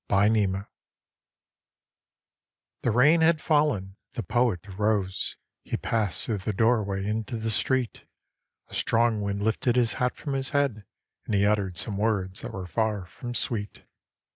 THE POET'S HAT The rain had fallen, the Poet arose, He passed through the doorway into the street, A strong wind lifted his hat from his head, And he uttered some words that were far from sweet.